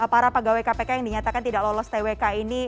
para pegawai kpk yang dinyatakan tidak lolos twk ini